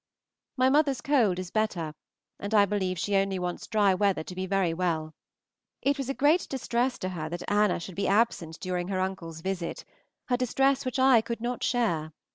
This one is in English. My mother's cold is better, and I believe she only wants dry weather to be very well. It was a great distress to her that Anna should be absent during her uncle's visit, a distress which I could not share.